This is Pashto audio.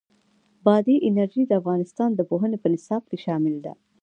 بادي انرژي د افغانستان د پوهنې په نصاب کې شامل ده.